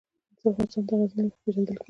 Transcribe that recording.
افغانستان د غزني له مخې پېژندل کېږي.